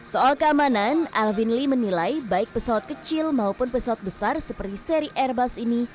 soal keamanan alvin lee menilai baik pesawat kecil maupun pesawat besar seperti seri airbus ini